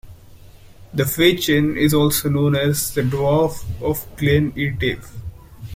The Fachen is also known as the Dwarf of Glen Etive.